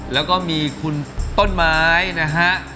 แล้วก็มีคุณต้นไม้นะฮะ